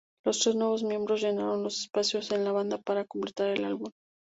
Los tres nuevos miembros llenaron los espacios en la banda para completar el álbum.